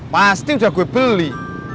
pasti udah gue beli